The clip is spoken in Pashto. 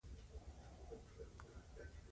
کیدای شوه جګړه ګرد سره نه وي، یا هم ختمه شوې وي.